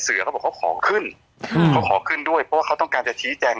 เอ้อมันต้องจุดตรง